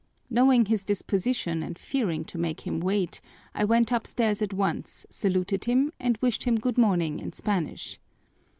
Knowing his disposition and fearing to make him wait, I went upstairs at once, saluted him, and wished him good morning in Spanish.